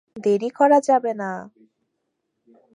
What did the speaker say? দেরি করা যাবে না!